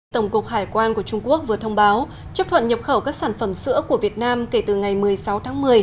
tổng cục hải quan của trung quốc vừa thông báo chấp thuận nhập khẩu các sản phẩm sữa của việt nam kể từ ngày một mươi sáu tháng một mươi